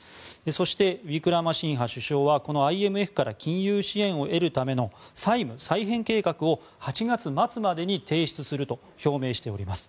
そして、ウィクラマシンハ首相はこのＩＭＦから金融支援を得るための債務再編計画を８月末までに提出すると表明しております。